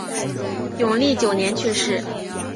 永历九年去世。